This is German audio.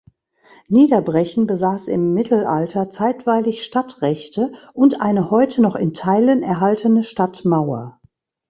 Niederbrechen besaß im Mittelalter zeitweilig Stadtrechte und eine heute noch in Teilen erhaltene Stadtmauer.